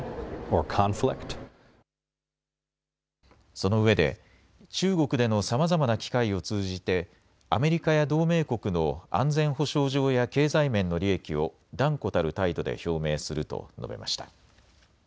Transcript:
そのうえで中国でのさまざまな機会を通じてアメリカや同盟国の安全保障上や経済面の利益を断固たる態度で表明すると述べました。